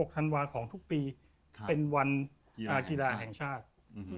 ธันวาของทุกปีเป็นวันกีฬาแห่งชาติ